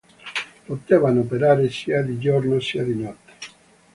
Potevano operare sia di giorno, sia di notte.